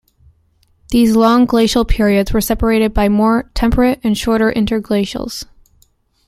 These long glacial periods were separated by more temperate and shorter interglacials.